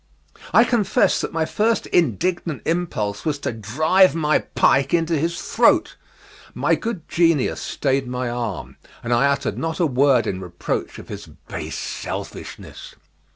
I confess that my first indignant impulse was to drive my pike into his throat. My good genius stayed my arm, and I uttered not a word in reproach of his base selfishness.